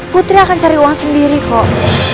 putri akan cari uang sendiri kok